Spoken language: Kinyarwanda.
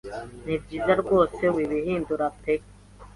Nibyiza rwose wibihindura pe.